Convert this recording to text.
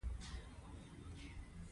• د ورځې تودوخه بدن ته حرکت ورکوي.